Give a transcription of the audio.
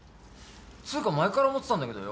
つうか前から思ってたんだけどよ